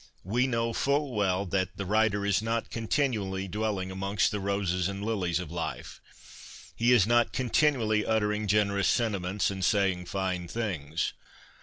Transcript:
We know full well that ' the writer is not continually dwelling amongst the roses and lilies of life ; he is not continually utter ing generous sentiments and saying fine things.